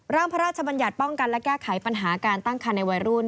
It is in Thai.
พระราชบัญญัติป้องกันและแก้ไขปัญหาการตั้งคันในวัยรุ่น